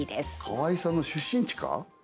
川合さんの出身地か？